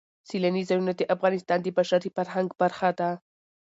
سیلانی ځایونه د افغانستان د بشري فرهنګ برخه ده.